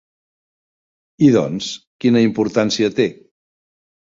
I, doncs, quina importància té?